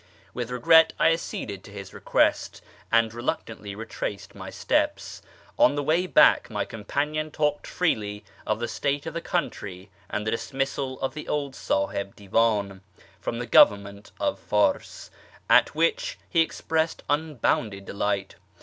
With regret I acceded to his request, and reluctantly retraced my steps. On the way back my comj)anion talked freely of the state of the country and the dismissal of the old Sdhih Bivdn from the government of Fars, at which he expressed unbounded delight.